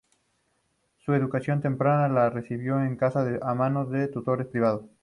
Su educación temprana la recibió en su casa a manos de tutores privados.